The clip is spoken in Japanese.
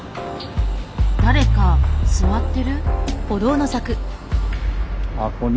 誰か座ってる？